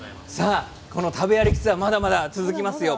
この食べ歩きツアーまだまだ続きます。